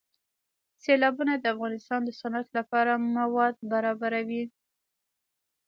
سیلابونه د افغانستان د صنعت لپاره مواد برابروي.